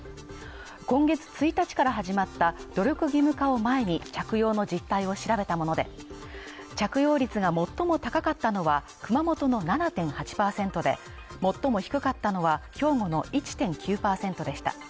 今月１日から始まった努力義務化を前に、着用の実態を調べたもので、着用率が最も高かったのは、熊本の７．８％で最も低かったのは兵庫の１．９％でした。